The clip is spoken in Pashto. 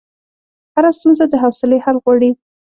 هره ستونزه د حوصلې حل غواړي.